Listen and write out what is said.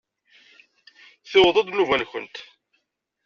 Tewweḍ-d nnuba-nkent!